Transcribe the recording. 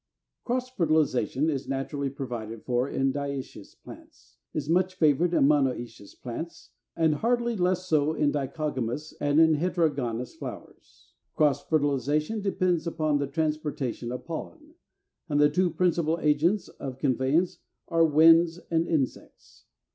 333. =Cross Fertilization= is naturally provided for in diœcious plants (249), is much favored in monœcious plants (249), and hardly less so in dichogamous and in heterogonous flowers (338). Cross fertilization depends upon the transportation of pollen; and the two principal agents of conveyance are winds and insects.